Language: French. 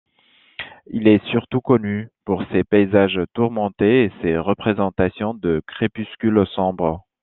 Il est surtout connu pour ses paysages tourmentés et ses représentations de crépuscules sombres.